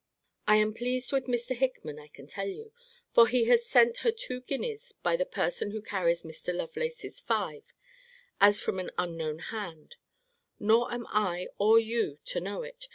I am pleased with Mr. Hickman, I can tell you: for he has sent her two guineas by the person who carries Mr. Lovelace's five, as from an unknown hand: nor am I, or you, to know it.